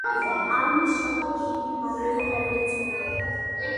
ამის შემდეგ იგი მალევე გარდაიცვალა.